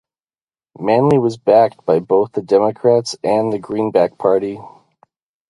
Manly was backed by both the Democrats and the Greenback Party.